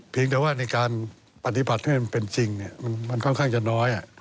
แต่ว่าในการปฏิบัติให้มันเป็นจริงมันค่อนข้างจะน้อย